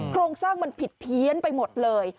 โครงสร้างมันผิดเพี้ยนไปหมดเลย